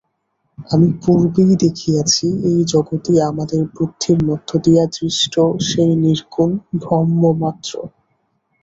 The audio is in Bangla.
আমরা পূর্বেই দেখিয়াছি, এই জগৎই আমাদের বুদ্ধির মধ্য দিয়া দৃষ্ট সেই নির্গুণ ব্রহ্মমাত্র।